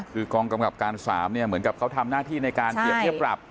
คือกองกำกับการ๓เนี่ยเหมือนกับเขาทำหน้าที่ในการเปรียบเทียบปรับ